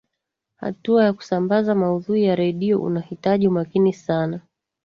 hatua ya kusambaza maudhui ya redio unahitaji umakini sana